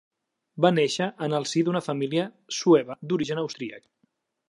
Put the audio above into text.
Va néixer en el si d'una família sueva d'origen austríac.